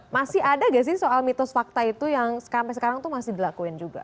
masih ada gak sih soal mitos fakta itu yang sampai sekarang tuh masih dilakuin juga